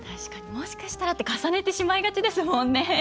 もしかしたらって重ねてしまいがちですもんね。